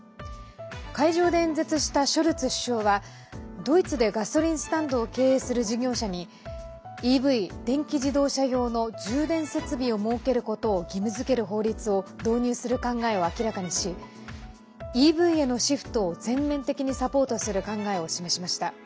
会場で演説したショルツ首相はドイツでガソリンスタンドを経営する事業者にＥＶ＝電気自動車用の充電設備を設けることを義務づける法律を導入する考えを明らかにしＥＶへのシフトを全面的にサポートする考えを示しました。